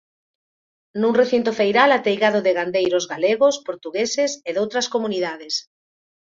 Nun recinto feiral ateigado de gandeiros galegos, portugueses e doutras comunidades.